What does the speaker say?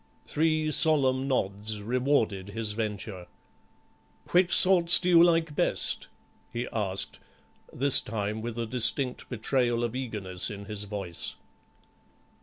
Three solemn nods rewarded his venture. "Which sorts do you like best?" he asked, this time with a distinct betrayal of eagerness in his voice.